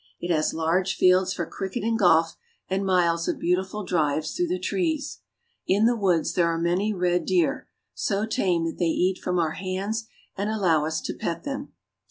It has large fields for cricket and golf, and miles of beautiful drives through the trees. In the woods there are many red deer, so tame that they eat from our hands and allow us to pet them.